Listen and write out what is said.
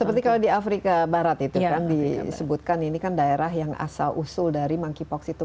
seperti kalau di afrika barat itu kan disebutkan ini kan daerah yang asal usul dari monkeypox itu